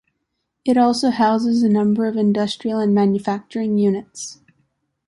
It also houses a number of industrial and manufacturing units.